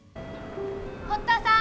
堀田さん！